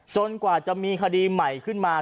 กว่าจะมีคดีใหม่ขึ้นมา